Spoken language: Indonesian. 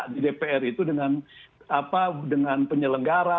di dpr itu dengan penyelenggara